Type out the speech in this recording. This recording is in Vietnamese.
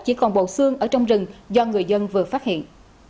chỉ còn bộ xương ở trong rừng do người dân vừa phát hiện